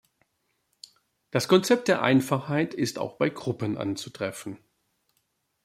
Das Konzept der Einfachheit ist auch bei Gruppen anzutreffen.